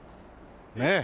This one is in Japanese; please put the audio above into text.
ねえ。